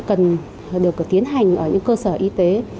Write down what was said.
cần được tiến hành ở những cơ sở y tế